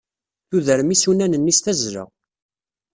Tudrem isunan-nni s tazzla.